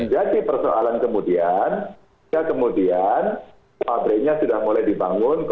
jadi persoalan kemudian ya kemudian pabriknya sudah mulai dibangun